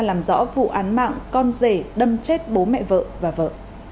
làm rõ vụ án mạng con rể đâm chết bố mẹ vợ và vợ